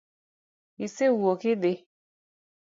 Isewuok idhi?